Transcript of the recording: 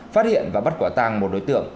phát hiện và bắt quả tàng một đối tượng